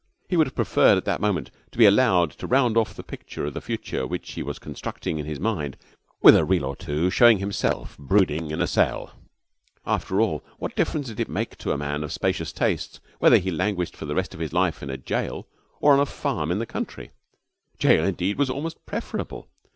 He would have preferred at that moment to be allowed to round off the picture of the future which he was constructing in his mind with a reel or two showing himself brooding in a cell. After all, what difference did it make to a man of spacious tastes whether he languished for the rest of his life in a jail or on a farm in the country? Jail, indeed, was almost preferable.